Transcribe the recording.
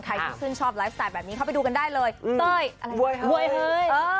ใครที่ชื่นชอบไลฟ์สไตล์แบบนี้เข้าไปดูกันได้เลยเต้ยอะไรเว้ยเฮ้ย